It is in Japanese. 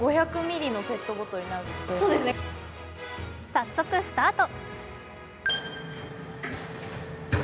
早速、スタート！